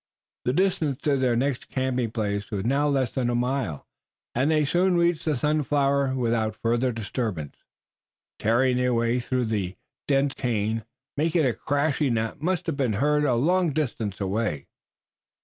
The distance to their next camping place was now less than a mile, and they soon reached the Sunflower without further disturbance, tearing their way through the dense cane, making a crashing that must have been heard a long distance away.